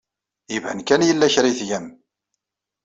Iban kan yella kra ay tgam.